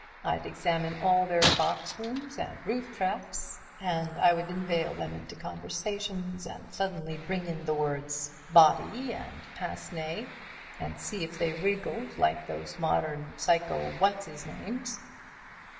I'd examine all their boxrooms and rooftraps, and I would inveigle them into conversations and suddenly bring in the words 'body' and 'pince nez,' and see if they wriggled, like those modern psycho what's his names."